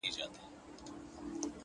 مهرباني د انساني اړیکو رڼا ده,